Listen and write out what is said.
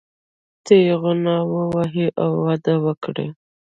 تېغونه ووهي او وده وکړي.